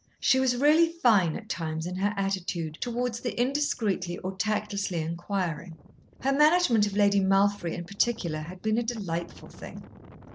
She was really fine at times in her attitude towards the indiscreetly or tactlessly inquiring. Her management of Lady Malfry in particular had been a delightful thing.